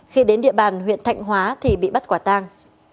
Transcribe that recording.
khi đến địa bàn huyện thạnh hóa thì bị bắt quả tang